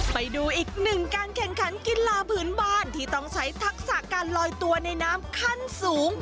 ไปดูอีกหนึ่งการแข่งขันกีฬาพื้นบ้านที่ต้องใช้ทักษะการลอยตัวในน้ำขั้นสูง